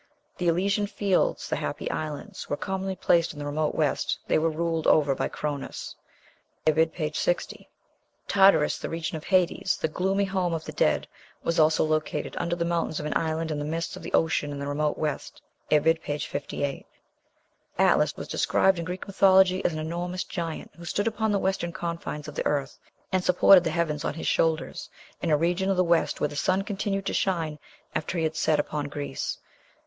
"The Elysian Fields (the happy islands) were commonly placed in the remote west. They were ruled over by Chronos." (Ibid., p. 60.) Tartarus, the region of Hades, the gloomy home of the dead, was also located "under the mountains of an island in the midst of the ocean in the remote west." (Ibid., p. 58.) Atlas was described in Greek mythology as "an enormous giant, who stood upon the western confines of the earth, and supported the heavens on his shoulders, in a region of the west where the sun continued to shine after he had set upon Greece."